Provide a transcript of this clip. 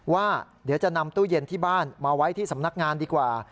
ว่าเดี๋ยวจะนำตู้เย็นที่บ้านมาไว้ที่สำนักงานดีกว่า